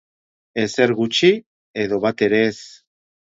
Ezer gutxi edo bat ere ez.